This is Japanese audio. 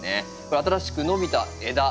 新しく伸びた枝。